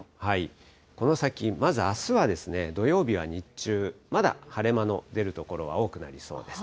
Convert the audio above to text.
この先、まずあすは土曜日は日中、まだ晴れ間の出る所は多くなりそうです。